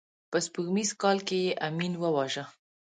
په سپوږمیز کال کې یې امین وواژه.